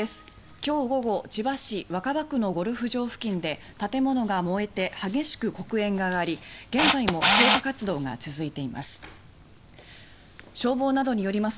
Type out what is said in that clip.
今日午後千葉市若葉区のゴルフ場付近で建物が燃えて激しく黒煙が上がり現在も消火活動が続いています。